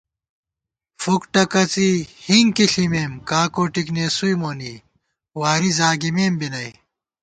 فُک ٹکَڅی ہِنکی ݪِمېم کاکوٹِک نېسُوئی مونی، واری زاگِمېم بی نئ